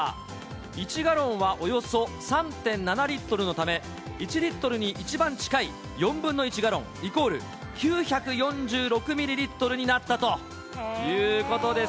１ガロンはおよそ３．７リットルのため、１リットルに一番近い４分の１ガロン、イコール９４６ミリリットルになったということです。